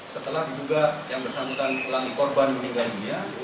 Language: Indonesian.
setelah dibuka yang bersambutan pelangi korban meninggal dunia